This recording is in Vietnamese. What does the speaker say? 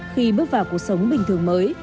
khi bước vào cuộc sống bình thường mới